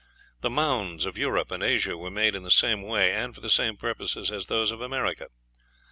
The mounds of Europe and Asia were made in the same way and for the same purposes as those of America.